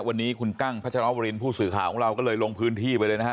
วันนี้คุณกั้งพัชรวรินผู้สื่อข่าวของเราก็เลยลงพื้นที่ไปเลยนะฮะ